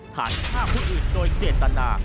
ฐานฆ่าผู้อื่นโดยเจตนา